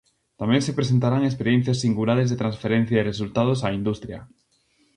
Tamén se presentarán experiencias singulares de transferencia de resultados á industria.